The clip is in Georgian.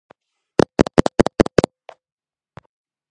აბსურდს იწვევს მათი დაპირისპირებული ბუნება, რომლებიც ერთდროულად არსებობენ.